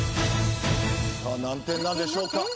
さあ何点なんでしょうか？